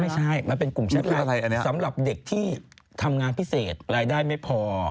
ไม่ใช่มันเป็นกลุ่มชาติสำหรับเด็กที่ทำงานพิเศษรายได้ไม่พอ